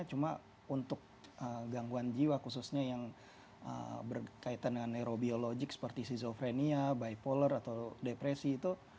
cuma untuk gangguan jiwa khususnya yang berkaitan dengan neurobiologi seperti skizofrenia bipolar atau depresi itu